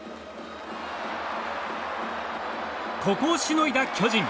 ここをしのいだ巨人。